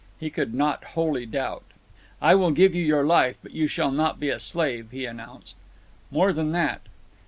He could not wholly doubt. "I will give you your life; but you shall not be a slave," he announced. "More than that."